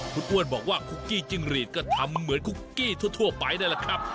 คุณอ้วนบอกว่าคุกกี้จิ้งหรีดก็ทำเหมือนคุกกี้ทั่วไปนั่นแหละครับ